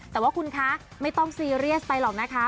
แต่ว่าคุณคะไม่ต้องซีเรียสไปหรอกนะคะ